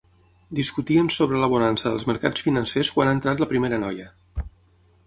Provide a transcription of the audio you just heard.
Discutien sobre la bonança dels mercats financers quan ha entrat la primera noia.